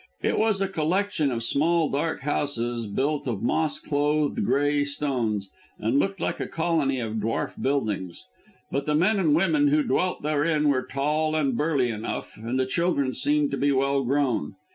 It was a collection of small dark houses built of moss clothed grey stones, and looked like a colony of dwarf buildings. But the men and women who dwelt therein were tall and burly enough, and the children seemed to be well grown.